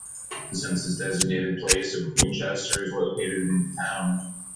The census-designated place of Winchester is located in the town.